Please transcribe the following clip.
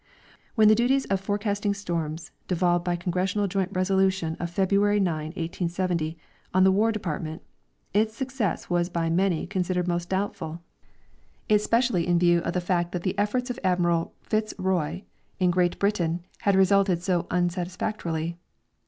When the duties of forecasting storms devolved by Congres sional joint resolution of February 9, 1870, on the War depart ment, its success was by many considered most doubtful, espe Foreign Esiimates of the Signal Service. 89 cially in view of the fact that the efforts of Admiral Fitz Roy in Great Britain had resulted so unsatisfactorily.